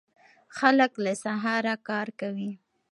خلک له سهاره کار کوي.